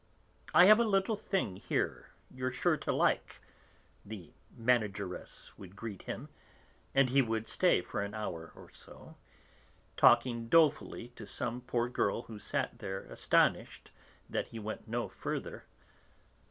"I have a little thing here, you're sure to like," the 'manageress' would greet him, and he would stay for an hour or so, talking dolefully to some poor girl who sat there astonished that he went no further.